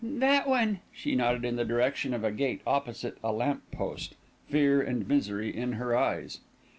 "That one." She nodded in the direction of a gate opposite a lamp post, fear and misery in her eyes.